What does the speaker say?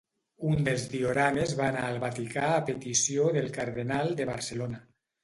Un dels diorames va anar al Vaticà a petició del Cardenal de Barcelona.